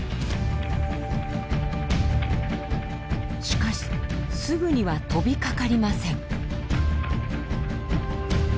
しかしすぐには飛びかかりません。